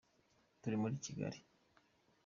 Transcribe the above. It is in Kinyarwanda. Turi muri kigali